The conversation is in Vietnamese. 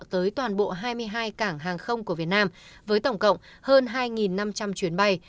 tới toàn bộ hai mươi hai cảng hàng không của việt nam với tổng cộng hơn hai năm trăm linh chuyến bay